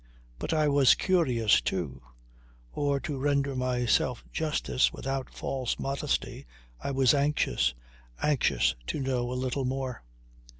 But I was curious, too; or, to render myself justice without false modesty I was anxious; anxious to know a little more.